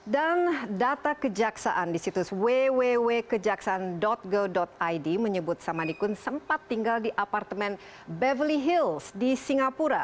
dan data kejaksaan di situs www kejaksaan go id menyebut samadikun sempat tinggal di apartemen beverly hills di singapura